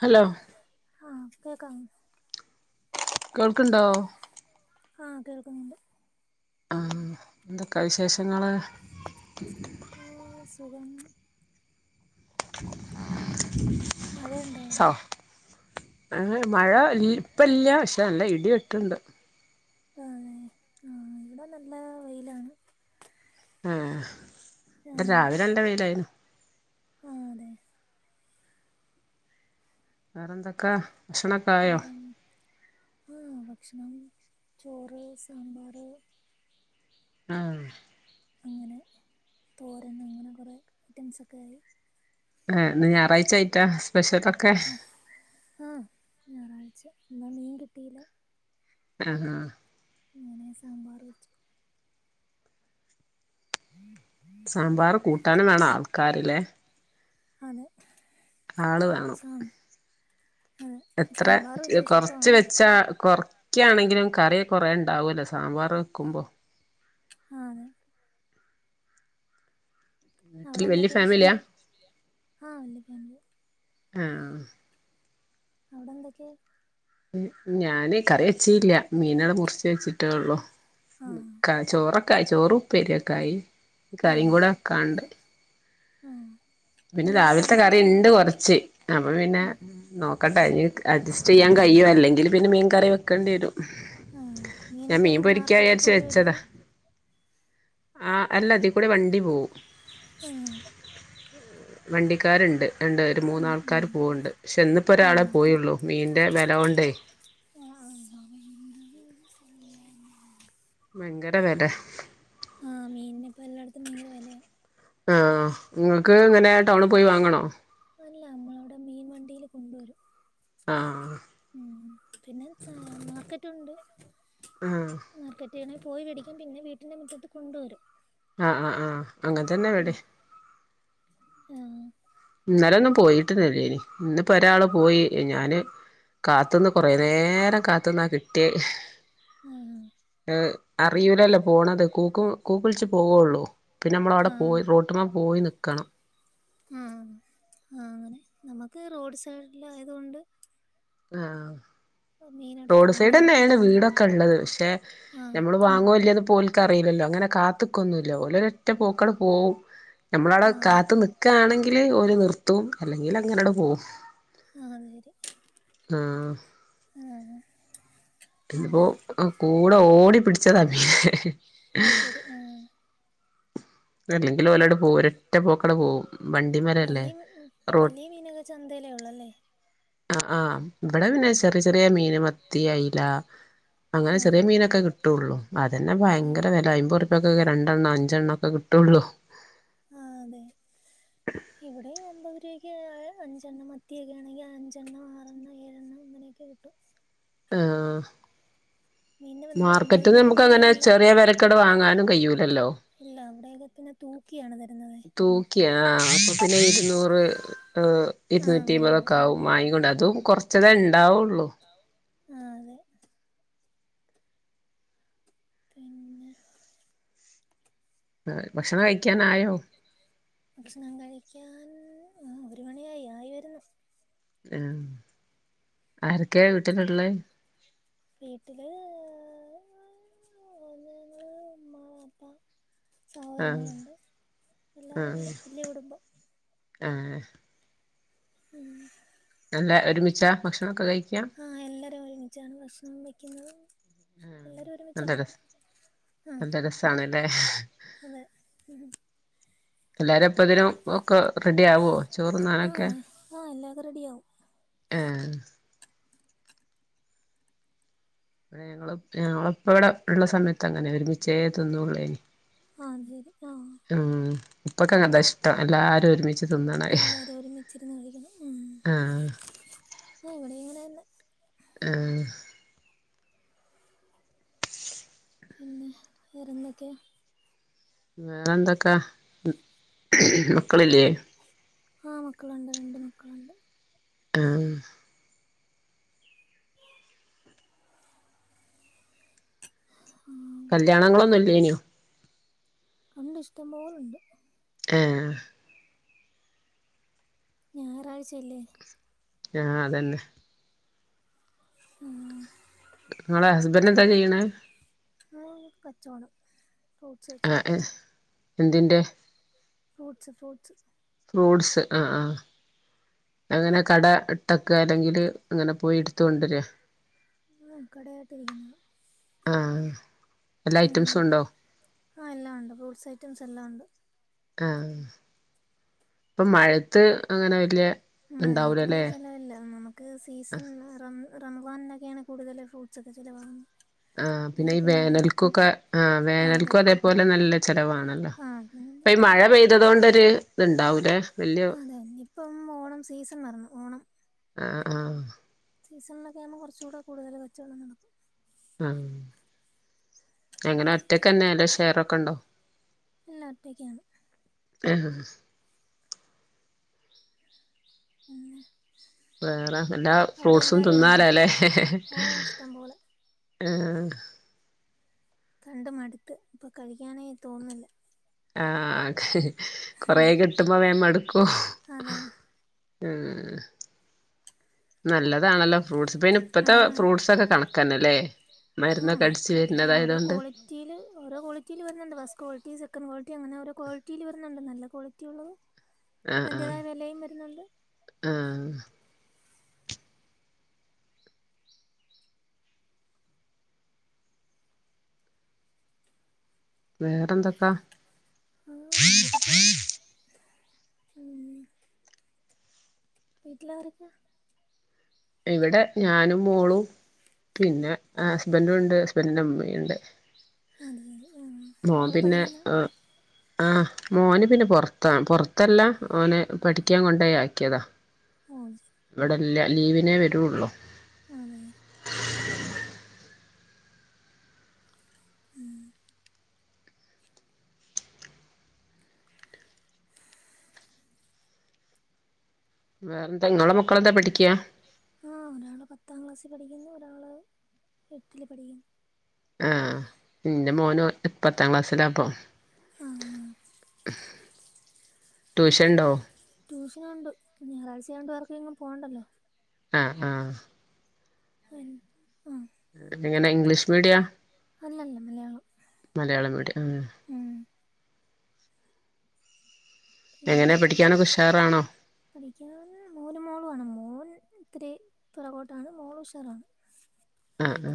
Hello ആഹ് കേൾക്കാം കേൾക്കുണ്ടോ ആ കേൾക്കുന്നുണ്ട് ആ എന്തൊ കവിശേഷങ്ങള് സഖൻ മഴയണ്ടവിടെ [inaudible] ഏ മഴ ഇപ്പല്ല പക്ഷേല്ല ഇടി ഇട്ടണ്ട് അതെ ആഹ ഇവിടെ നല്ല വെയിലാണ് ആ ഇ ആഹ് രാവിലെ എണ്ട വെയിലായിരുന്നു അതെ വേറെ എന്തൊക്കാ വേറെ ആ ഭക്ഷണംണം ചോറ് സാമ്പർ ആഹ അങ്ങനെ തോരൻ അങ്ങനെ കുറേ ഐറ്റംസൊക്കെ ആയി ആഹ ഞായറാഴ് ആയിട്ടാ പശത്തൊക്കെ ആഹ് എന്നാ മീൻ കിട്ടീയില്ല ആഹ ആഹ അങ്ങനെ സാമ്പാർ വെച്ചു ഉം [unintelligible] സാമ്പാർ കൂട്ടാനും വേണം ആൾക്കാരില്ലേ അനെ ആള് വേണം അതെ എത്ര സാമ്പാർ വലിയ കൊറച്ച് ഇഷ്ടമാണ് വെച്ചാ കൊറ ഒക്കാണെങ്കിലും കറിയ കുറ ഉണ്ടാവുമല്ല സ സാമ്പാർ വയ്ക്കുമ്പോൾ അതെ അവിടെ വീട്ടില് വല്യ എന്തൊക്കെയ ഫാമിലിയാ പ്രശ്ന ആഹ് ഒല്ലേ ഫേമില ആഹ അവിടെന്തക്കെ ഞാാന് കറി വച്ചീല്ല മീനടെ മുറിച്ച് വെച്ചിട്ടേള്ളു ആഹ് ചോറ ക്ക ചോറുപ്പേരയക്കായി ഇ കാര്യം കൂടെ ഒക്കാണ്ട് ആഹ് ആഹ് പിന്നെ മീനൊക്കെ രാവിലത്തെ അടുത്ത് കറി ഉണ്ട് കൊറച്ച് അപ്പൊ പിന്നെ ആഹ് നോ ഒക്കട്ട അഡ്സ് ചെയാൻ കഴിയുമോല്ലെങ്കിൽ പിന്നെ മീൻ കറി വെക്കേി വരും ആഹ ഞാൻ മീനൊക്കെ മീൻ എങ്ങനെ പൊരിക്കാ മാർക്കറ്റിൽ വിചാരിച്ച് പോയി വെച്ചതാ മേടിക്കും ആ അല്ല അതി കൂടെ വണ്ടി പോവും ഉം വണ്ടിക്കാരുണ്ട് ഉണ്ട് ഒരു ഉം ഉം മൂന്നാൾക്കാര് പോവണ്ട് പക്ഷെ എന്നിപ്പോ ഒരാളെ പോയുള്ളൂ മീന്റെ വിലകൊണ്ടെ ആഹ് ഭയങ്കര വിലാ ആഹ് മീനിപ്പ എല്ലായിടത്തും ഭയങ്കര വിലയ ആഹ നിങ്ങക്ക് അങ്ങ- എ ടൗണ് പോയി വാങ്ങണോ അല്ല നമ്മളവിടെ മീൻ വണ്ടിയിൽ കൊണ്ടുവരും ആഹ ഉം പിന്നെ മാർക്കറ്റുണ്ട്. ആഹ മാർക്കറ്റിണെ പോയി പിടിക്കും പിന്നെ വീട്ടിന്റെ മുറ്റത്ത് കൊണ്ടു വരും. ആഹ് ആഹ് ആഹ് അങ്ങൻതന്നെ വിടിം ആഹ് ഇന്നലൊന്നും പോയിട്ടന്നെ ഇല്ലേനി ഇന്നിപ്പൊരാള് പോയി ഞാന് കാത്തുനിക് കൊറേ നേരം കാത്ത്ന്നാ കിട്ട്യേ ആഹ് അറിയുലല്ലേ പോണത് കൂക്കു കൂക്ക്ൾച്ച് പോവൊള്ളൂ പിന്നമ്മളവ്ടെ പോയി ആഹ് റോട്ട്മ പോയ് നിക്ക് ക്കണം ആ ആ അങ്ങനെ നമുക്ക് റോഡ് സൈഡിലായതുകൊണ്ട് ആഹ് മീൻ എടുത്ത് റോഡ് കൊണ്ടുവരും സൈഡന്ന്യാണ് വീടൊക്കെള്ളത് പക്ഷെ ആ ഞമ്മള് വാങ്ങോ ഇല്ല്യേന്ന് പോലൽക്കറിയില്ലല്ലോ ഇങ്ങനെ കാത്ത്ക്കൊന്നുല്ല ഓല് ഒറ്റ പോക്കാണ്ട് പോവും നമ്മളവ്ടെ ആ കാത്ത്നിക്കാണെങ്കില് ഒല് ന് ത്തും അല്ലെങ്കിലങ്ങനാണ്ട് പോവും അതരെ ആഹ് ഇന്ന്പ്പോ പിന്നെ [unintelligible] കൂടെ ഓടി പിട്ച്ചതാ മീനെ അത് ശരി ആ അല്ലെങ്കില് ഒലാട് പോവും ഒരറ്റ പോക്കങ്ങ്ട് പോവും വണ്ടിമേലല്ലേ വലിയ റോ വലിയ മീനൊക്കെ ചന്തയിലെ ഒള്ളല്ലേ ആ ആആഹ ഇവിടെ പിന്നെ ചെറിയ ചെറ റിയ മീൻ മത്തി അയില അങ്ങനെ ആ ചെറിയ മീനൊക്കെ കിട്ടും ട്ടുള്ളൂ അതന്നെ അത് ഭയങ്കര വില അയ്മ്പറുപ്പ രണ്ടെണ്ണം അഞ്ചെണ്ണം ഒക്കെ കിട്ടൂള്ളൂ ആ അതെ ഇവിടെയും അമ്പത് രൂപയ്ക്ക് അഞ്ചെണ്ണം മത്തിയൊക്കെ ആണെങ്കിൽ അഞ്ചെണ്ണം ആറെണ്ണം ഏഴെണ്ണം അങ്ങനൊക്കെ കിട്ടു ആ മീനിന് വന്നു അമ്പത് മാർക്കറ്റ് രൂപയ്ക്ക് നമുക്ക് അങ്ങനെ മീനില്ല ചെറിയ വിലക്കവിടെ വാങ്ങാനും കഴിയൂലല്ലോ, ഇല്ല അവിടെയൊക്കെ പിന്നെ തൂക്കിയാണ് തരുന്നത് തൂക്കിയാ ആ അപ്പ പിന്നെ ഇരുന്നൂറ് ആ ആഹ് ഇരുന്നൂറ്റി അങ്ങനെ അമ്പതൊക്കെ പോവും ആവും വാങ്ങിക്കൊണ്ട് അതും കുറച്ച ച്ചത് ഇണ്ടാവുള്ളു അ അതെ പിന്നെ ആ ഭക്ഷണം കഴിക്കൻ ആയോ ഭക്ഷണം കഴിക്കാൻ ഒരു മണിയായി, ആയി വരുന്നു ഉം ആരക്കെയാ വീട്ടിലൊള്ളേ വീട്ടില് ഒന്നമ്മ അപ്പാ ആഹ് സഹോദരങ്ങളുണ്ട് എല്ലാവരും ഉണ്ട് വലിയ കുടുംബം ആ ഉം [unintelligible] നല്ല ഒരുമിച്ച ഭക്ഷണം ഒക്കെ കഴിക്കാ അമ്മയ്ക്കിന്നു എല്ലരും ഒരുമിച്ച, നല്ല രസ ആ നല്ല രസാണല്ലേ അതെ എല്ലാരുംപ്പതിനും ഒക്കെ റെഡി ആവോ ചോറ്ണ്ണാനൊക്കെ, ആഹ് ആഹ് എല്ലാക്കെ റെഡിയാവും ആ ഞങ്ങള്, ഞങ്ങളപ്പ അവിടെ ഉള്ള സമയത്ത് അങ്ങനെ ആരുന്നു ഒരുമിച്ചേ തിന്നൂ ളേ ആ, ശരി ആ ഇപ്പൊക്കെ അങ്ങത ഇഷ്ടം എല്ലാരും ഒരുമി എല്ലാവരും ഒരുമിച്ചിരുന്ന് കഴിക്കണം, ആഹ് ആ ഇവിടെ അങ്ങനെയൊക്കെ ആ പിന്നെ വേറെന്തൊക്കെയ? വേറെ എന്തൊക്കാ, മക്കളില്ലേ ആ മക്കളുണ്ട്, രണ്ട് മക്കളുണ്ട് ആ ഉം [unintelligible] കല്യാണങ്ങളൊന്നും ഇല്ലേ ഇനു ഒണ്ട് ഇഷ്ടം പോോലുണ്ട് ആ ഞായറാഴ്ചല്ലേ ആ, അതന്നെ ഉ [unintelligible] നിങ്ങടെ ഹസ്ബൻഡ് എന്താ ചെയ്യണേ അ, കച്ചോടം ആ ഏ എന്തിന്റെ ഫ്രൂട്സ്, ഫ്രൂസ് ഫ്രൂട്ട്സ് ആ ആ അങ്ങനെ കട ഇട്ടക്ക അല്ലെങ്കിൽ അങ്ങനെ പോയി എടുത്ത കൊണ്ടുവര ആ കടയായിട്ട് ഇരിക്കുന്നത് ആഹ് എല്ലാ ഐറ്റംസും ഉണ്ടോ ആ എല്ലാം ഉണ്ട് ഫ്രൂട്ട്സ് ഐറ്റംസ് എല്ലാം ഉണ്ട് ആ ഇപ്പൊ മഴത്ത് അങ്ങനെ വല്ലേ മയത്ത് വലിയ ചെലവല്ല നമുക്ക് സീസൺ റ റമളാനിലൊക്കെകൂടുതൽ ഫ്രൂട്ട്സ് ഒക്കെ ചിലവാകുന്നത് ആ പിന്നെ അല്ലെങ്കിൽ ഈ വല്ല വേനൽക്കും ഒക്കെ ആ ആഹ് അതെ വേനൽക്കും അതേപോലെ നല്ല ത്തരവാണല്ലോ ആഹ് പിന്നെ അപ്പ ഈ ഇനിയിപ്പോ മഴ ഓണം പെയ്തത കൊണ്ടൊരു ഇത്ണ്ടാവൂലേ വല്യ അതെ ഇനിയിപ്പം ഓണം സീസൺ വരണം ആ ആ സീസണക്കേ ആകുമ്പോ കുറച്ച കൂടെ കൂടുതൽ കച്ചവടം നടക്കും ആ എങ്ങനെ ഒറ്റക്കന്നെയല്ലോ ഷെയറൊക്കെ ഉണ്ടോ ഇല്ല ഒറ്റക്കാണ് ആ ഹാ പിന്നെ വേറെ എല്ലാ അവിടെ ഫ്രൂട്ട്സും എല്ലാവരും ഉണ്ടോ തിന്നാലല്ലേ ഓ ഇഷ്ടം പോലെ ആ ആ കണ്ട് മടുത്ത് ഇപ്പൊ കഴിക്കാനെ തോന്നില്ല ആ കഴി കൊറ കിട്ടുമ്പോ വേഗം മടുക്കും അതെ ഉ നല്ല തണല്ലോ ഫ്രൂ്ട്സ് പിന്നെ ഇപ്പോഴത്തെ ഫ്രൂട്ടസൊക്കെ കണക്കാ തന്നല്ലേ ആ ഓരോ ക്വാളിറ്റിയില് ഓരോ ക്വാളിറ്റിയില് വരുന്നുണ്ട് പസ് ക്വാളിറ്റീസ് സെ ക്കൻ കോളിറ്റി അങ്ങനെ ക്ളിറ്റയിൽ വരുന്നുണ്ട് നല്ല കോളിറ്റിഉള്ളത് ആ ആ ആ വേറെന്തൊക്കാ ആ അങ്ങനെയൊക്കെ പോവൂന്ന് ഉം വീട്ടിൽ ആരൊക്കെ ഇവിടെ ഞാനും മോളും പിന്നെ ഹസ്ബൻറും ഉണ്ട് ഹസ്ബൻറിന്റെ ഉമ്മയുണ്ട് അത് ശരി ആ മോൻ മക്കൾ പിന്നെ പഠിക്കുന്ന ആഹ് മോന് പിന്നെ പോറത്താ പുറത്തല്ല ഓനെ പഠിക്കാൻ കൊണ്ടേ ആക്കിയതാ ഓ ശരി ഇവിടെ ഇല്ല ലീവ് പിന്നെ വരുയുള്ളൂ അതെ ഉം വേറെന്താ നിങ്ങളെ മക്കളെന്താ പഠിക്കയാ ആ ഒരാള് പത്താം ക്ലാസ്സിൽ പഠിക്കുന്നു ഒരാള് എട്ടില് പഠിക്കുന്നു ആഹ ഇന്റെ മോൻ പത്താം ക്ലാസ്സിലാപ്പം ആ ട്യൂഷൻ ഉണ്ടോ ട്യൂഷൻ ഉണ്ട് ഞായറാഴ്ചണ്ട് വേർക്ക ഇങ്ങ് പോവണ്ടല്ലോ ആഹ ആഹ അ ഉം എങ്ങനെ ഇംഗ്ലീഷ് മീഡിയ അല്ലല്ല മലയാളം മീഡിയം ആഹ് ഉം എങ്ങനെയാ പഠിക്കാനോ ക്കേ ഉഷാറാണോ പഠിക്ക മോന് മോളു ആണ് മോന് ഇത്തിരി പിറകോട്ടാണ് മോളു ഉഷാറാണ് ആ ഉ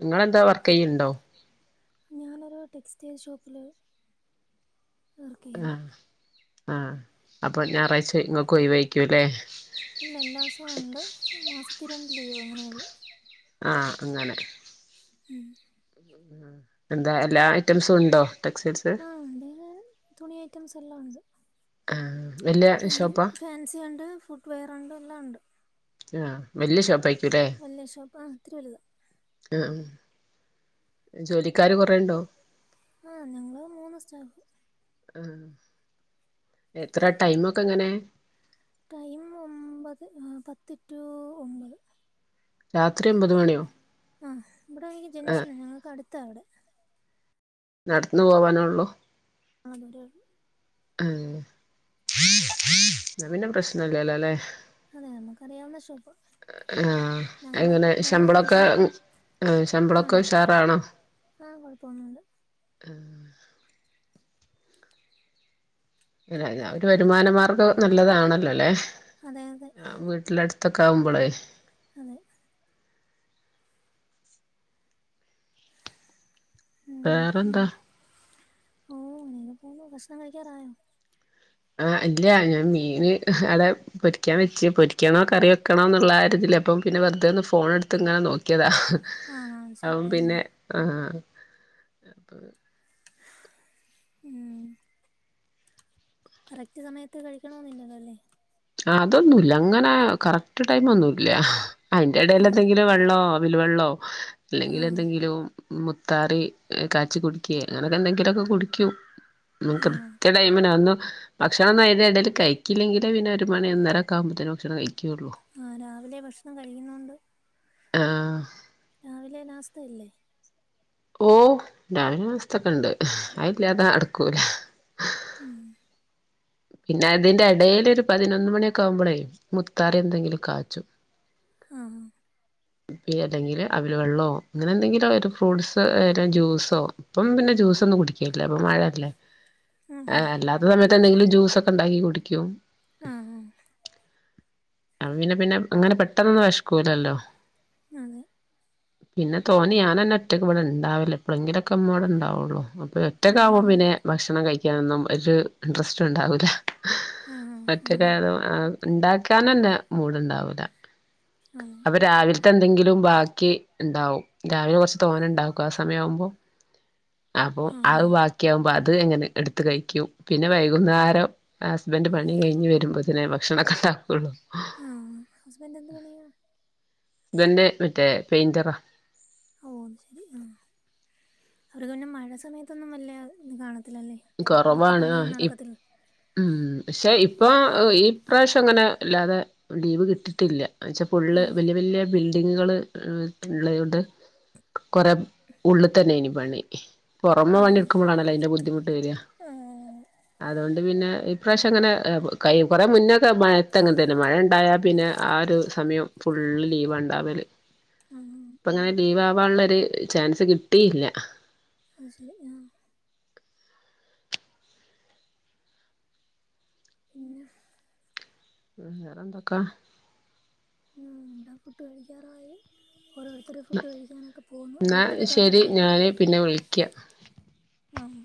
നിങ്ങെളെ ന്താ വർക്ക് ചെയ്യുണ്ടോ ഞാനൊരു ടെക്സ്റ്റൈൽ ഷോപ്പില് ആ ആ അപ്പൊ ഞായറാഴ്ച ഇങ്ങക്ക് ഒഴിവാരികുമല്ലേ ഇല്ല എല്ലാ ദിവസവും ഉണ്ട് മാസത്തിൽ രണ്ട് ലീവ് അങ്ങനെയുള്ളൂ ആഅങ്ങനെ ഉം എന്താ എല്ലാ ഐറ്റംസും ഉണ്ടോ ടെക്സ്റ്റൈൽസ് ആഹ ഉണ്ട്ൻ തുണി ഐറ്റംസ് എല്ലാം ഉണ്ട് ആഹ് വല്യ ഷോപ്പാ ഫാൻസിയുണ്ട് ഫുഡ്‌വെറുണ്ട് എല്ലാമുണ്ട് ആഹ വെല് ഷോപ്പ് ആ വലിയ ഷോപ്പ് ആ ഇത്തിരി വലുതാ ആഹ ജോലിക്കാര് കൊറെുണ്ടോ ആഹ ഞങ്ങള് മൂന്ന് സ്റ്റാഫ് ആ എത്ര ടൈമൊക്കെ എങ്ങനെ ടൈം ഒമ്പത് ഒ പത്ത് ടു ഒമ്പത് രാത്രി അമ്പത് മണിയോ ആ ഇവിടെ എനിക്ക് ആഹ് ജംഗ്ഷൻ ഉണ്ട് ഞങ്ങൾക്ക് അടുത്താ അവിടെ നടന്നു പോവാനള്ളു അതെ നവിന്റെ പ്രശ്നല്ലല്ലോ അല്ലെ അതെ നമുക്കറിയാവുന്ന ഷോപ്പ് ആഹ ഞങ്ങളെ എങ്ങനെ റോ ഞങ്ങളെ ശമ്പളമൊക്കെ ജംഗ്ഷൻ ആ ശമ്പളമൊക്കെ ഉഷാറാണോ [inaudible] ആ കുഴപ്പമൊന്നുമില്ല അല്ല അത അവര് വരുമാന മാർഗ്ഗം നല്ലതാണല്ലോ അല്ലെ അതെ അതെ ആ വീട്ടിലടുത്ത് ഇത്തക്ക ആവുമ്പോളേ [inaudible] ഉം, വേറെ പിന്നെ എന്താ ഓ പോന്നു ഭക്ഷണം കഴിക്കാറായോ ആ ഇല്ല ഞാൻ മീന് അവിടെ പൊരിക്കാൻ വെച്ച് പൊരിക്കണോ കറി വെക്കണോന്നുള്ള ആ ഒരു ഇതില് അപ്പൊ പിന്നെ വെറുതെ ഒന്ന് ഫോൺ എടുത്ത് ഇങ്ങനെ നോക്കിയതാ ആ ആ ശരി അപ്പം ആ പിന്നെ ആഹ് അപ്പൊ ഉം കറക്റ്റ് സമയത്ത് കഴിക്കണമന്നില്ലല്ലോ അല്ലേ അതൊന്നുമല്ല അങ്ങനെ കറക്റ്റ് ടൈമ് ഒന്നുമല്ല അതിന്റെ ഇടയിൽ ആഹ് എന്തെങ്കിലും വെള്ളമോ വെള്ളോ അല്ലെങ്കിൽ ആഹ് എന്തെങ്കിലും മുത്താറി കാച്ചി കുടിക്കെ അങ്ങനെയൊക്കെ എന്തെങ്കിലുമൊക്കെ കുടിക്കും ആഹ് കൃത്യ ടൈമിനു അതൊന്നും ഭക്ഷ [unintelligible] ഇടയിൽ കഴിക്കില്ലെങ്കിൽ പിന്നെ ഒരു മണി ഒന്നരേക്കാവുമ്പത്തെന് ഭക്ഷണം കഴി ആഹ് രാവിലെ ഭക്ഷണം കഴിക്കുന്നൊണ്ട് ആഹ് രാവിലെ നാസ്തയില്ലേ ഓ രാവില നാസ്തക്കാ ഇണ്ട് അയില്ലാതാ അടുക്കൂല ഉം പിന്നെ അതിന്റെ ഡെയിലി ഒരു പതിനൊന്ന് മണിയൊക്കെ ആവുമ്പളെ മുത്താറി എന്തെങ്കിലും കാച്ചും ആഹ് പിന്നെ ഏതെങ്കില് അവിൽ വെള്ളമോ അങ്ങനെ എന്തെങ്കിലും ഒരു ഫ്രൂട്ട്സ് വല്ല ജ്യൂസോ ഇപ്പം പിന്നെ ജ്യൂസ് ഒന്നും കുടിക്കണില്ല ഇപ്പൊ മഴയല്ലേ ആഹ് അല്ലാത്തെ സമ [unintelligible] ജ്യൂസ് ഒക്കെ ഉണ്ടാക്കി കുടിക്കും [unintelligible] ആഹ് [unintelligible] പിന്നെ പിന്നെ അങ്ങനെ പെട്ടെന്നൊന്നും വിശക്കൂലല്ലോ അതെ പിന്നെ തോന്നി ഞാനന്ന ഒറ്റയ്ക്ക് ഇവിടെ ഇണ്ടാവില്ല എപ്പഴെങ്കിലൊക്കെ അമ്മൾ ഇവിടെ ഉണ്ടാവുള്ളു ഒറ്റക്ക് ആവുമ്പോ അതെ പിന്നെ ഭക്ഷണം കഴിക്കാനൊന്നും ഒരു ഇൻട്രസ്റ്റ് ഉണ്ടാവൂല്ല ആഹ് ആണ് മറ്റൊരാ ഉണ്ടാക്കി [unintelligible] മൂട്ണ്ടാവില്ല അതെ അപ്പൊ രാവ് [unintelligible] എന്തെങ്കിലും ബാക്കി ഉണ്ടാവും രാവിലെ കുറച്ച് തോന ഉണ്ടാക്കും ആ സമയവുമ്പോ അപ്പൊ ആഹ് അത് ബാക്കിയാകും ബ അത് എങ്ങനെ എടുത്ത് കഴിക്കും പിന്നെ വൈകുന്നേരം ഹസ്ബൻഡറ് പണി കഴിഞ്ഞ് വരുമ്പോ തന്നെ ഭക്ഷണക്കെ [unintelligible] [unintelligible] ആ ഹസ്ബൻഡ് എന്തു പണിയാ? ഇതന്റെ മറ്റേ പെയിന്ററാ ഓ ശരി ആ അവർക്ക് പിന്നെ മഴ സമയത്തൊന്നും വല്ല ഇതാണ് കൊറവാണ് ആ ഉം പക്ഷെ ഇപ്പൊ ഈ പ്രാവശ്യം അങ്ങനെ വല്ലാതെ ലീവ് കിട്ടിട്ടില്ല ച്ച ഫുള്ള് അത് ശരി വല്യ വല്യ ങ്ങുകള് ള്ളവടെ കുറെ ഉള്ള്ത്തന്നേനി പണി പൊറമെ പണിയെടുക്കുമ്പോളാണല്ലോ അതിന്റെ ബുദ്ധിമുട്ട് വരുക ആഹ് അത് കൊണ്ട് അത് പിന്നെ ഈ പ്രാവശ്യം അങ്ങനെ കൊറേ മുന്നേ മഴയത്ത് തന്നെ തരും മഴ ഉണ്ടായാപ്പിന്നെ ആ ഒരു സമയം ഫുള്ള് ലീവാ ഉണ്ടാവല് ആഹ് ഇപ്പൊ അങ്ങനെ ലീവാ കാനുള്ളൊരു ചാൻസ് കിട്ടിയില്ല അത് ശരി ആഹ് പിന്നെ വേറെ എന്തൊക്കെ ആഹ് ഇവിടെ ഫുഡ്‌ കഴിക്കാറായി ഓരോരുത്തര് ഫുഡ് കഴിക്കാനൊക്കെ പോവുന്നു എന്നാ ഓരോരുത്തരൊക്കെ ശരി കഴിഞ്ഞു ഞാന് പിന്നെ വിളിക്കാം ആഹ്